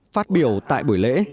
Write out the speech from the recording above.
phát biểu tại buổi lễ